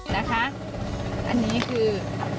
นะคะอันนี้คือ